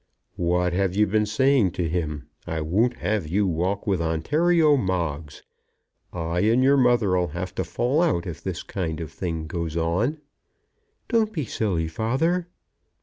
"What have you been saying to him? I won't have you walk with Ontario Moggs. I and your mother 'll have to fall out if this kind of thing goes on." "Don't be silly, father."